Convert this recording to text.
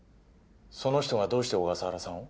その人がどうして小笠原さんを？